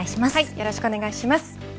よろしくお願いします。